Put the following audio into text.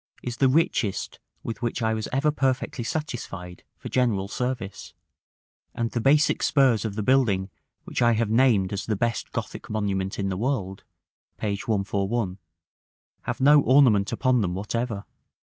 is the richest with which I was ever perfectly satisfied for general service; and the basic spurs of the building which I have named as the best Gothic monument in the world (p. 141), have no ornament upon them whatever.